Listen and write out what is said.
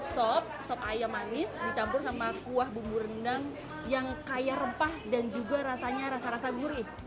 sop sop ayam manis dicampur sama kuah bumbu rendang yang kaya rempah dan juga rasanya rasa rasa gurih